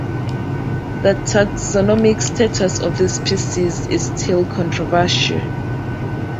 The taxonomic status of this species is still controversial.